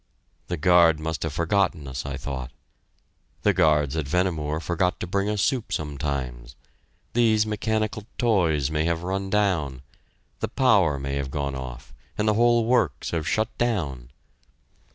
The guard must have forgotten us, I thought.... The guards at Vehnemoor forgot to bring us soup sometimes.... These mechanical toys may have run down; the power may have gone off, and the whole works have shut down.